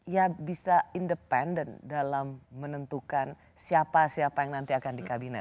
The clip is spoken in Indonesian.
ya bisa independen dalam menentukan siapa siapa yang nanti akan di kabinet